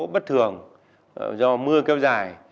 bất thường do mưa kéo dài